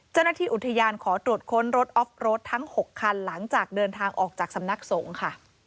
เจ้าหน้าที่อุทยานขอตรวจค้นรถออฟรถทั้ง๖คันหลังจากเดินทางออกจากสำนักสงฆ์ค่ะ